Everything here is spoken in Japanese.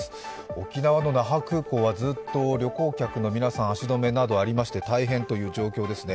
沖縄の那覇空港はずっと旅行客の皆さん、足止めなどありまして大変という状況ですね。